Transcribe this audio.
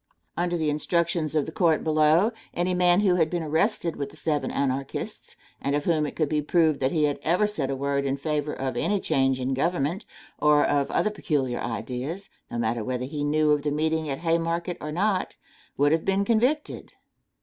Under the instructions of the court below, any man who had been arrested with the seven Anarchists and of whom it could be proved that he had ever said a word in favor of any change in government, or of other peculiar ideas, no matter whether he knew of the meeting at the Haymarket or not, would have been convicted.